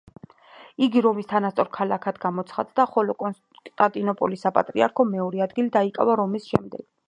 იგი რომის თანასწორ ქალაქად გამოცხადდა, ხოლო კონსტანტინოპოლის საპატრიარქომ მეორე ადგილი დაიკავა რომის შემდეგ.